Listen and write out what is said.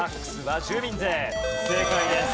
正解です。